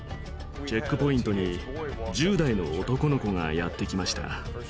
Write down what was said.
チェックポイントに１０代の男の子がやって来ました。